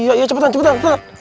iya iya cepetan cepetan